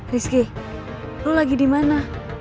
rizky lu lagi dimana